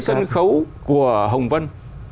sân khấu của hồng vân